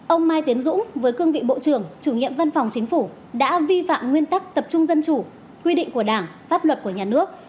ông mai tiến dũng với cương vị bộ trưởng chủ nhiệm văn phòng chính phủ đã vi phạm nguyên tắc tập trung dân chủ quy định của đảng pháp luật của nhà nước